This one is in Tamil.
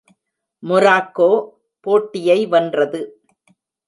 மொராக்கோ போட்டியை வென்றது.